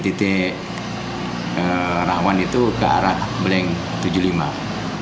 titik rawan itu ke arah blank tujuh puluh lima